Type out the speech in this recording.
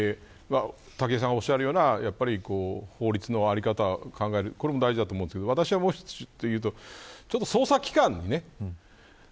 武井さんがおっしゃるような法律の在り方を考えるこれも大事だと思うんですけど私はもうちょっと言うと捜査機関ね。